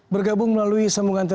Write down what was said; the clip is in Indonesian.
bergabung melalui sambungan telepon